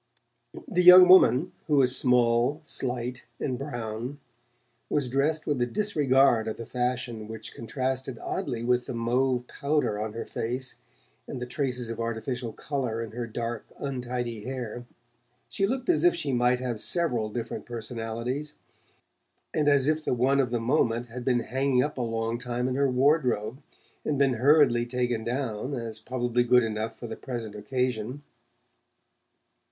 The young woman, who was small, slight and brown, was dressed with a disregard of the fashion which contrasted oddly with the mauve powder on her face and the traces of artificial colour in her dark untidy hair. She looked as if she might have several different personalities, and as if the one of the moment had been hanging up a long time in her wardrobe and been hurriedly taken down as probably good enough for the present occasion.